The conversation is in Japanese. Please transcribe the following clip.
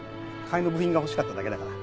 替えの部品が欲しかっただけだから。